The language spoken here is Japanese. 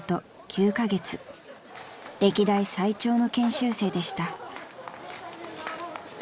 ［歴代最長の研修生でした］